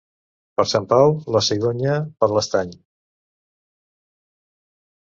Per Sant Pau, la cigonya per l'estany.